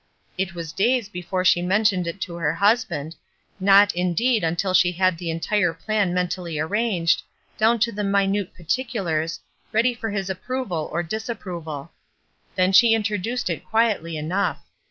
It was days before she mentioned it to her hus band, not, indeed, until she had the entire plan SACRIFICE 29 mentally arranged, down to the minute par ticulars, ready for his approval or disapproval. Then she introduced it quietly enough.